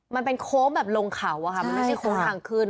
มันเป็นโค้งแบบลงเขามันไม่ใช่โค้งห่างคืน